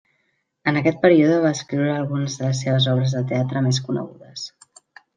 En aquest període va escriure algunes de les seves obres de teatre més conegudes.